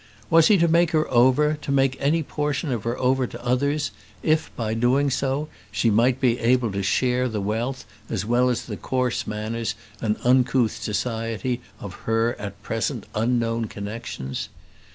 Was he to make her over, to make any portion of her over to others, if, by doing so, she might be able to share the wealth, as well as the coarse manners and uncouth society of her at present unknown connexions?